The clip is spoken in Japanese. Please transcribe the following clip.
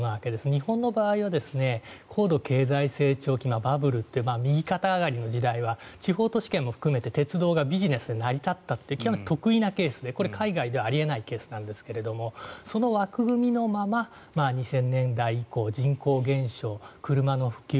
日本の場合は高度経済成長期、バブルという右肩上がりの時代は地方都市圏も含めて鉄道がビジネスで成り立った特異なケースでこれ、海外ではあり得ないケースなんですがその枠組みのまま２０００年代以降人口減少、車の普及